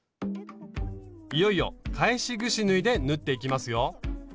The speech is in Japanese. いよいよ返しぐし縫いで縫っていきますよ。